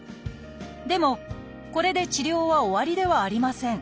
でもこれで治療は終わりではありません。